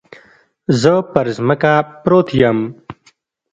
زه پر ځمکه پروت يم.